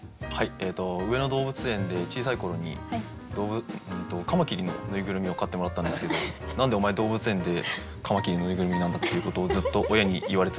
上野動物園で小さい頃にカマキリの縫いぐるみを買ってもらったんですけど何でお前動物園でカマキリの縫いぐるみなんだっていうことをずっと親に言われ続けながら生きています。